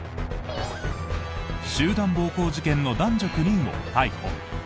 集団暴行事件の男女９人を逮捕。